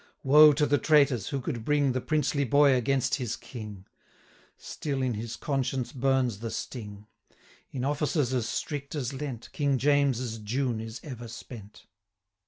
Woe to the traitors, who could bring The princely boy against his King! 300 Still in his conscience burns the sting. In offices as strict as Lent, King James's June is ever spent.